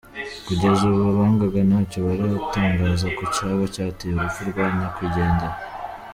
Kugeza ubu, abaganga ntacyo baratangaza ku cyaba cyateye urupfu rwa nyakwigendera.